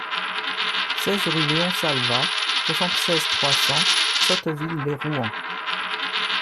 seize rue Léon Salva, soixante-seize, trois cents, Sotteville-lès-Rouen